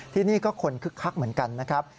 ที่นี่ก็คนคึกคักเหมือนกันนะครับ